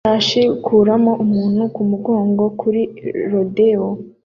Ifarashi ikuramo umuntu kumugongo kuri rodeo